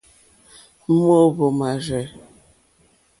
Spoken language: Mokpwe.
Móǃóhwò máárzɛ̂.